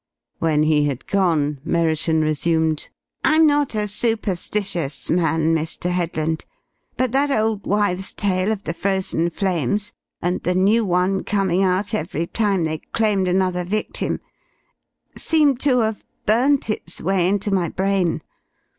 When he had gone, Merriton resumed: "I'm not a superstitious man, Mr. Headland, but that old wives' tale of the Frozen Flames, and the new one coming out every time they claimed another victim, seemed to have burnt its way into my brain.